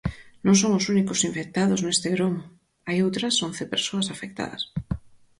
Non son os únicos infectados neste gromo, hai outras once persoas afectadas.